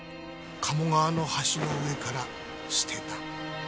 鴨川の橋の上から捨てた。